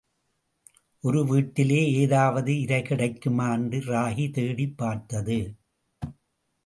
ஒரு வீட்டிலே, ஏதாவது இரை கிடைக்குமா என்று ராகி தேடிப் பார்த்தது.